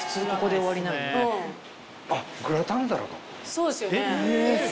そうですよね。